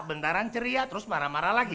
bentaran ceria terus marah marah lagi